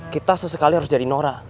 kita sesekali harus jadi nora